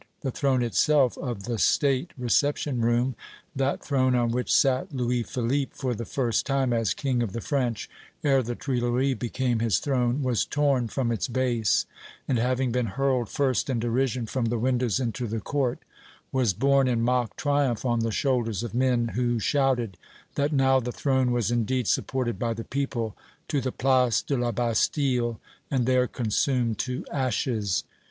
The throne itself of the state reception room that throne on which sat Louis Philippe for the first time, as King of the French, ere the Tuileries became his throne was torn from its base, and, having been hurled first in derision from the windows into the court, was borne in mock triumph on the shoulders of men, who shouted that now the throne was indeed supported by the people, to the Place de la Bastille, and there consumed to ashes.